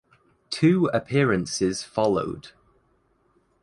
Two appearances followed.